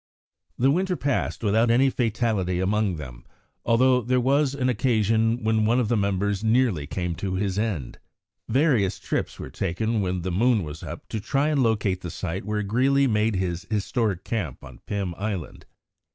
The winter passed without any fatality among them, although there was an occasion when one of the members nearly came to his end. Various trips were taken when the moon was up to try and locate the site where Greely made his historic camp on Pim Island.